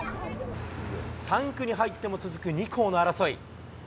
３区に入っても続く２校の争い。